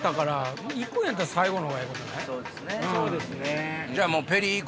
そうですね。